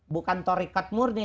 bukan tarikat murni